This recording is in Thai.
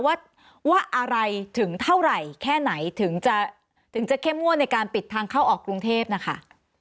ว่าอะไรถึงเท่าไหร่แค่ไหนถึงจะถึงจะเข้มงวดในการปิดทางเข้าออกกรุงเทพนะคะ